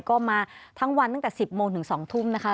ก็มาทั้งวันตั้งแต่๑๐โมงถึง๒ทุ่มนะคะ